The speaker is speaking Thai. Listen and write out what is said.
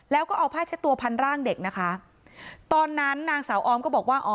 แล้วก็เอาผ้าเช็ดตัวพันร่างเด็กนะคะตอนนั้นนางสาวออมก็บอกว่าอ๋อ